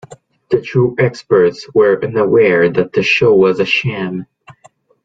The true experts were unaware that the show was a sham.